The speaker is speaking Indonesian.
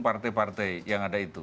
partai partai yang ada itu